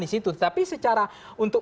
di situ tapi secara untuk